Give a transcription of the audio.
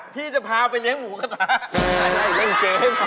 พี่จะพาไปเย็งหมูขัตตา